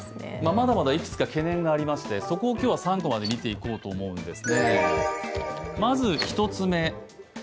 まだまだいくつか懸念がありましてそこを３コマで見ていこうと思います。